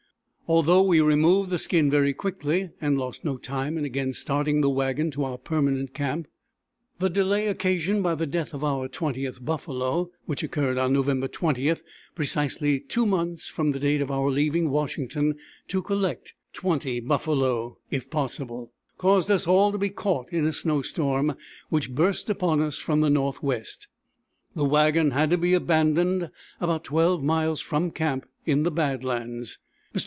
Although we removed the skin very quickly, and lost no time in again starting the wagon to our permanent camp, the delay occasioned by the death of our twentieth buffalo, which occurred on November 20, precisely two months from the date of our leaving Washington to collect twenty buffalo, it possible, caused us all to be caught in a snow storm, which burst upon us from the northwest. The wagon had to be abandoned about 12 miles from camp in the bad lands. Mr.